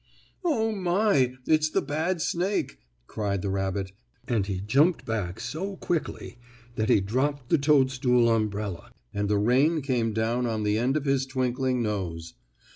"Oh, my! It's the bad snake!" cried the rabbit, and he jumped back so quickly that he dropped his toadstool umbrella and the rain came down on the end of his twinkling nose.